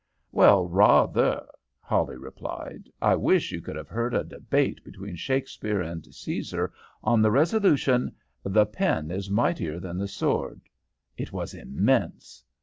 "'Well, rather,' Hawley replied. 'I wish you could have heard a debate between Shakespeare and Caesar on the resolution, "The Pen is mightier than the Sword;" it was immense.'